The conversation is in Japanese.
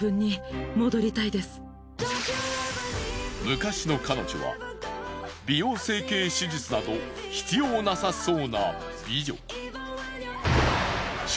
昔の彼女は美容整形手術など必要なさそうな美女。